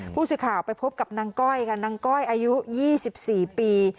ผู้สื่อข่าวไปพบกับนางก้อยกันนางก้อยอายุยี่สิบสี่ปี